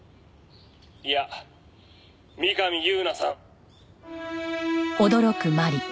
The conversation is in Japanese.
「いや三上夕菜さん」